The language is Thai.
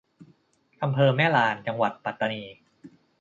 อำเภอแม่ลาน จังหวัดปัตตานี